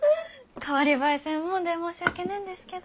代わり映えせんもんで申し訳ねえんですけど。